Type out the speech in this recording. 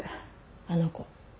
あの子。